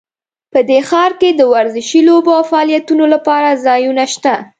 په دې ښار کې د ورزشي لوبو او فعالیتونو لپاره ځایونه شته